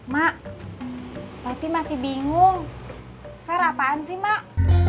mak berarti masih bingung fair apaan sih mak